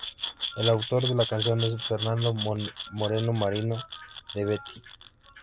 El autor de la canción es Fernando Moreno, marido de Betty.